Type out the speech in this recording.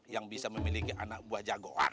yang bisa memiliki anak buah jagoan